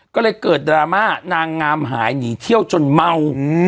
ก็เลยเกิดดราม่านางงามหายหนีเที่ยวจนเมา